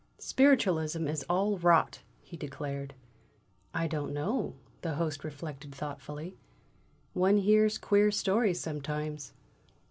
"Spiritualism is all rot!" he declared. "I don't know," the Host reflected thoughtfully. "One hears queer stories sometimes."